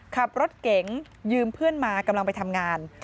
ขับรถเก๋งยืมเพื่อนมากำลังไปทำงาน